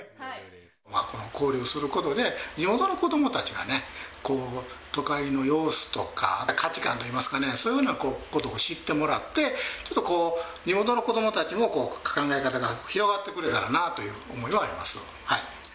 この交流をすることで、地元の子どもたちがね、都会の様子とか、価値観といいますかね、そういうふうなことを知ってもらって、ちょっとこう地元の子どもたちも、考え方が広がってくれたらなという思いはあります。